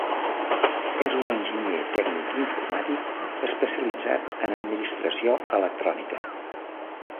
És un enginyer tècnic informàtic especialitzat en administració electrònica.